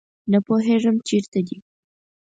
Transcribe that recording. نه پوهیږم چیرته دي